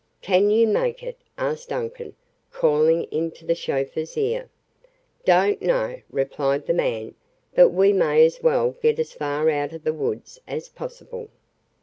"Can you make it?" asked Duncan, calling into the chauffeur's ear. "Don't know," replied the man. "But we may as well get as far out of the woods as possible."